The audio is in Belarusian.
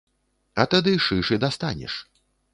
А тады шыш і дастанеш.